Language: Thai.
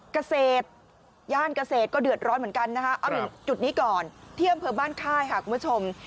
เกษตรย่านเกษตรก็เดือดร้อนเหมือนกันนะคะเอาถึงจุดนี้ก่อนที่อำเภอบ้านค่ายค่ะคุณผู้ชม